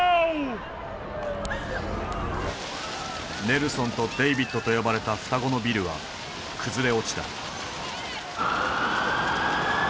「ネルソン」と「デイビッド」と呼ばれた双子のビルは崩れ落ちた。